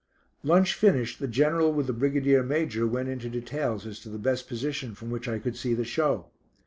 Lunch finished, the General with the Brigadier Major went into details as to the best position from which I could see the show.